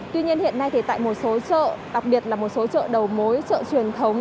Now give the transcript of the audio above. tuy nhiên hiện nay thì tại một số chợ đặc biệt là một số chợ đầu mối chợ truyền thống